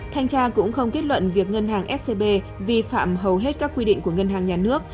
thanh tra cũng không kết luận việc ngân hàng scb vi phạm hầu hết các quy định của ngân hàng nhà nước